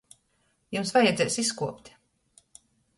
Jums vajadzēs izkuopt!